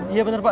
iya bener pak